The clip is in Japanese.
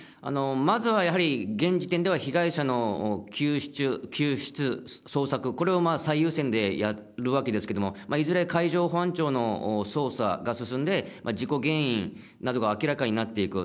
まずはやはり、現時点では被害者の救出、捜索、これを最優先でやるわけですけれども、いずれ海上保安庁の捜査が進んで、事故原因などが明らかになっていく。